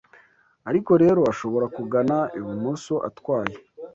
ariko rero ashobora kugana ibumoso atwaye